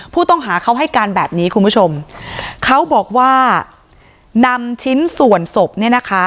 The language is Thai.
ผู้ต้องหาเขาให้การแบบนี้คุณผู้ชมเขาบอกว่านำชิ้นส่วนศพเนี่ยนะคะ